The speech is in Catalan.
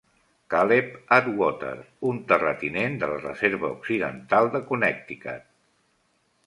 Caleb Atwater, un terratinent de la reserva occidental de Connecticut.